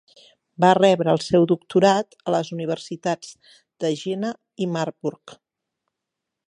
Va rebre el seu doctorat a les universitats de Jena i Marburg.